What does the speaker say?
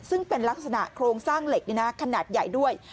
ซึ่งเป็นลักษณะโครงสร้างเหล็กขนาดใหญ่ด้วย